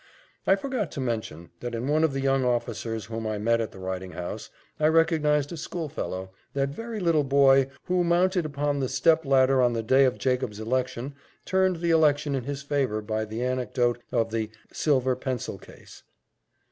I forgot to mention, that in one of the young officers whom I met at the riding house, I recognized a schoolfellow, that very little boy, who, mounted upon the step ladder on the day of Jacob's election, turned the election in his favour by the anecdote of the silver pencil case.